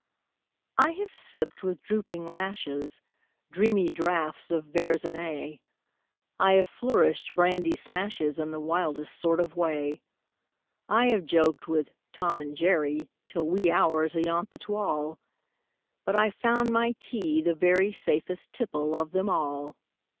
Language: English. I have sipped, with drooping lashes, Dreamy draughts of Verzenay; I have flourished brandy smashes In the wildest sort of way; I have joked with "Tom and Jerry" Till wee hours ayont the twal' But I've found my tea the very Safest tipple of them all!